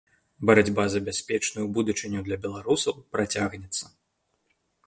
Барацьба за бяспечную будучыню для беларусаў працягнецца.